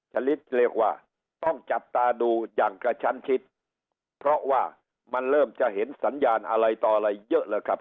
ชนิดเรียกว่าต้องจับตาดูอย่างกระชั้นชิดเพราะว่ามันเริ่มจะเห็นสัญญาณอะไรต่ออะไรเยอะแล้วครับ